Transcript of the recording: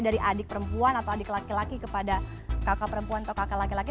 dari adik perempuan atau adik laki laki kepada kakak perempuan atau kakak laki laki